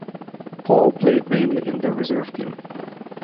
Paul played mainly in their reserve team.